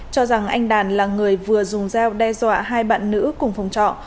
cho rằng anh đàn là người vừa dùng dao đe dọa hai bạn nữ cùng phòng trọ